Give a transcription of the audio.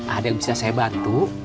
ada yang bisa saya bantu